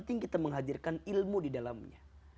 penting kita menghadirkan ilmu di dalamnya